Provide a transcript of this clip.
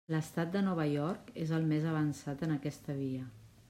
L'estat de Nova York és el més avançat en aquesta via.